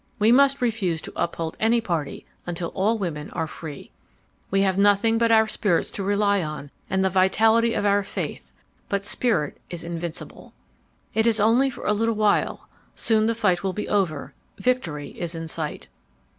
We must refuse to uphold any party until all women are free. "'We have nothing but our spirits to rely on and the vitality of our faith, but spirit is invincible. "'It is only for a little while. Soon the fight will be over. Victory is in sight.